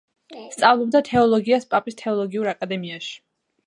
სწავლობდა თეოლოგიას პაპის თეოლოგიურ აკადემიაში.